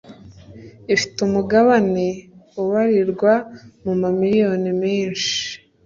ifite umugabane ubarirwa mu ma miliyoni menshi